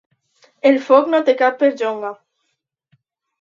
El foc no té cap perllonga.